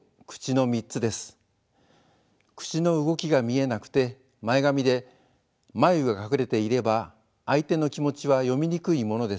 口の動きが見えなくて前髪で眉が隠れていれば相手の気持ちは読みにくいものです。